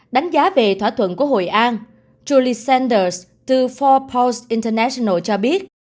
đánh giá về thỏa thuận của hội an julie sanders từ bốn pol international cho biết